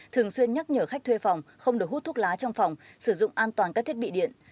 thường xuyên nhắc nhở khách thuê phòng không được hút thuốc lá trong phòng sử dụng an toàn các thiết bị điện